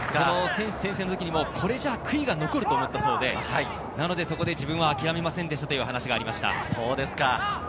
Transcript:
選手宣誓の時にもこれじゃあ悔いが残ると思ったそうで、そこで自分は諦めませんでしたという話がありました。